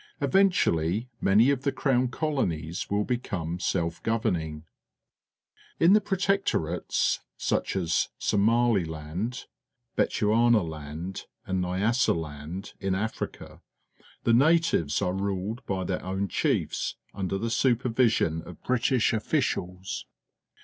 Eventually, many of the Crown Colonies will become self governing. In the Protfcinrntr t^ such as Somaliland, Bechuanaland, and Kj'asaland in Africa, the iiatiN es are rulad by their own chiefs imder the supfMvision of Britisli dfficiuls.